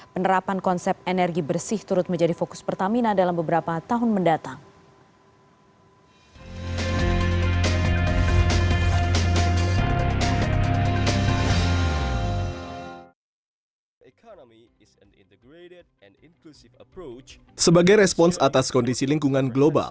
penerapan konsep energi bersih turut menjadi fokus pertamina dalam beberapa tahun mendatang